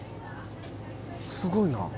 すごいな。